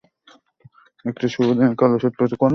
একটা শুভ দিনে কালো শার্ট পরেছ?